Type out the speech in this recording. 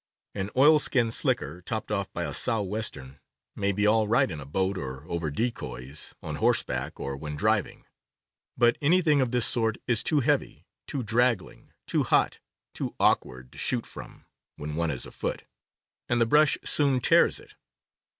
An —., oilskin slicker, topped off by a sou'wes p \ ter, may be all right in a boat or over decoys, on horseback, or when driving; but anything of this sort is too heavy, too draggling, too hot, too awkward to shoot from, when one is afoot; and the brush soon tears it.